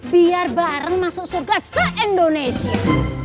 biar bareng masuk surga se indonesia